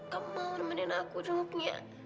kamu mau nemenin aku jenguknya